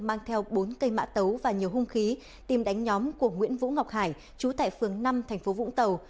mang theo bốn cây mã tấu và nhiều hung khí tìm đánh nhóm của nguyễn vũ ngọc hải chú tại phường năm thành phố vũng tàu